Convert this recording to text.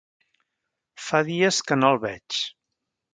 Fa dies que no el veig.